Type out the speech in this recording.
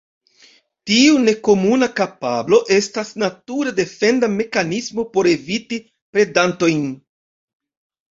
Tiu nekomuna kapablo estas natura defenda mekanismo por eviti predantojn.